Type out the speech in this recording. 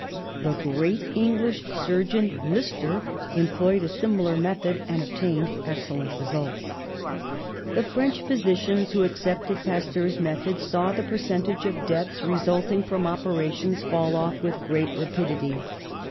The great English surgeon, Lister, employed a sim ilar method, and obtained excellent results. The French physicians who accepted Pasteur's method saw the percentage of deaths resulting from operations fall off with great rapidity.